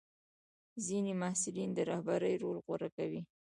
ځینې محصلین د رهبرۍ رول غوره کوي.